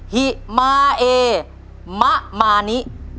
หิมาเอมะมานิ